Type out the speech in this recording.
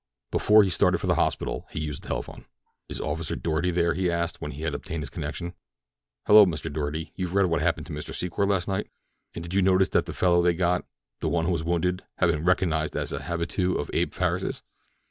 Before he started for the hospital he used the telephone. "Is Officer Doarty there?" he asked, when he had obtained his connection. "Hello, Mr. Doarty. You've read of what happened to Mr. Secor last night? "And did you notice that the fellow they got—the one who was wounded—has been recognized as an habitué of Abe Farris's?